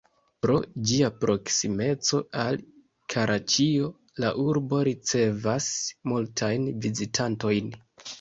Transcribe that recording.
Pro ĝia proksimeco al Karaĉio, la urbo ricevas multajn vizitantojn.